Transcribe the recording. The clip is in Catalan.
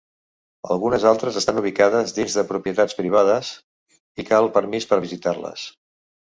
Algunes altres estan ubicades dins de propietats privades i cal permís per visitar-les.